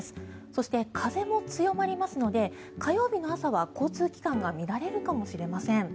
そして、風も強まりますので火曜日の朝は交通機関が乱れるかもしれません。